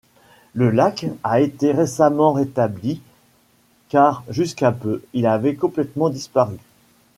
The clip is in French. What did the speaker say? Le lac a été récemment rétabli car jusqu'à peu, il avait complètement disparu.